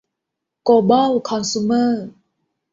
โกลบอล คอนซูเมอร์